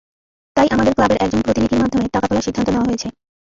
তাই আমাদের ক্লাবের একজন প্রতিনিধির মাধ্যমে টাকা তোলার সিদ্ধান্ত নেওয়া হয়েছে।